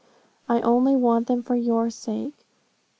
I only want them for your sake.'